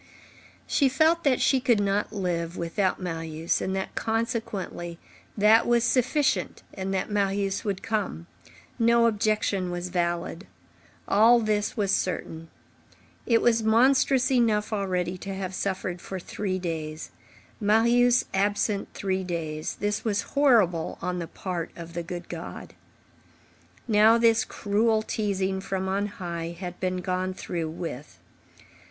She felt that she could not live without Marius, and that, consequently, that was sufficient and that Marius would come. No objection was valid. All this was certain. It was monstrous enough already to have suffered for three days. Marius absent three days, this was horrible on the part of the good God. Now, this cruel teasing from on high had been gone through with.